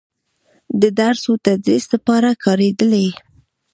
د درس و تدريس دپاره کارېدلې